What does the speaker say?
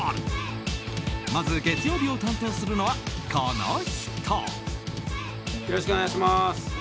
まず月曜日を担当するのはこの人！